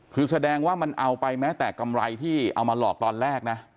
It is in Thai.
คือแสดงว่ามันเอาไปแม้แต่กำไรที่เอามาหลอกตอนแรกนะ